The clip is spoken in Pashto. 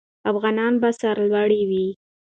افغانان به سرلوړي وي.